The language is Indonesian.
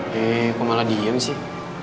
kayak kok malah diem sih